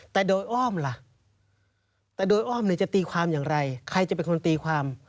แต่โดยอ้อมล่ะแต่โดยอ้อมเนี่ยจะตีความอย่างไรใครจะเป็นคนตีความ